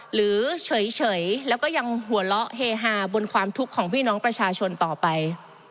หรือเฉยแล้วก็ยังหัวเราะเฮฮาบนความทุกข์ของพี่น้องประชาชนต่อไป